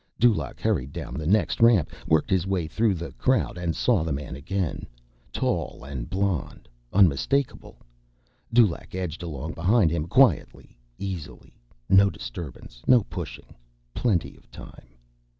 Dulaq hurried down the next ramp, worked his way through the crowd, and saw the man again. Tall and blond, unmistakable. Dulaq edged along behind him quietly, easily. No disturbance. No pushing. Plenty of time.